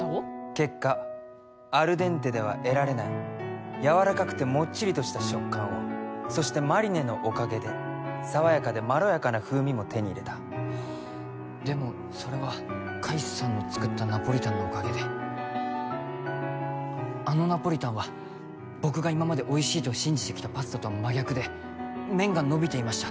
結果アルデンテでは得られないやわらかくてもっちりとした食感をそしてマリネのおかげで爽やかでまろやかな風味も手に入れたでもそれは海さんの作ったナポリタンのおかげであのナポリタンは僕が今までおいしいと信じてきたパスタとは真逆で麺がのびていました